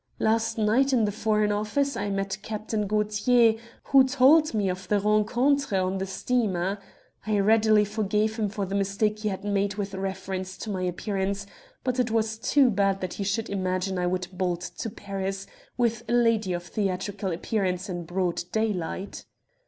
Last night in the Foreign Office I met Captain Gaultier, who told me of the rencontre on the steamer. I readily forgave him for the mistake he had made with reference to my appearance, but it was too bad that he should imagine I would bolt to Paris with a lady of theatrical appearance in broad daylight."